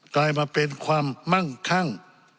กลายมาเป็นความมั่งคั่ง